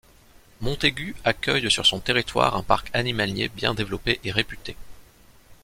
Montaigu accueille sur son territoire un parc animalier bien développé et réputé.